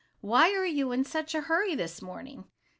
"Why are you in such a hurry this morning?